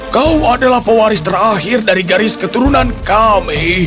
kau adalah pewaris terakhir dari garis keturunan kami